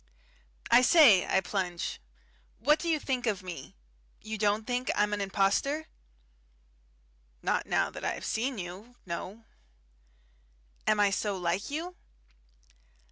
"I say," I plunge, "what do you think of me? You don't think I'm an impostor?" "Not now that I have seen you. No." "Am I so like you?"